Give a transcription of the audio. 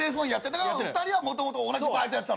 ２人はもともと同じバイトやってたのよ。